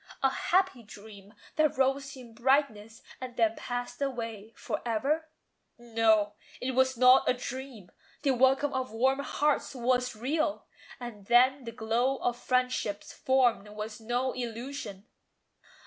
A happy dream, That rose in brightness, and then passed away For ever? No! It was not all a dream. The welcome of warm hearts was real, and then The glow of friendships formed was no illusion.